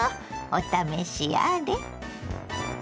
お試しあれ。